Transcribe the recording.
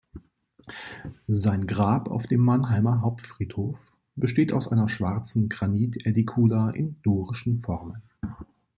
Sein Grab auf dem Mannheimer Hauptfriedhof besteht aus einer schwarzen Granit-Ädikula in dorischen Formen.